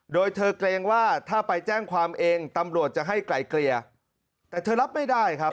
โดยเธอเกรงว่าถ้าไปแจ้งความเองตำรวจจะให้ไกลเกลี่ยแต่เธอรับไม่ได้ครับ